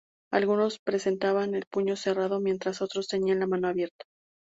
Algunos presentaban el puño cerrado mientras otros tenían la mano abierta.